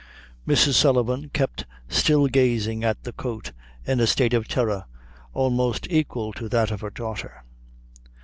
Mrs. Sullivan kept still gazing at the coat, in a state of terror almost equal to that of her daughter.